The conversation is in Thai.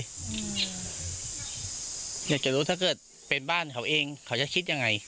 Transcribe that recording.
ห้ามอยากจะรู้ถ้าเป็นของเขาเอง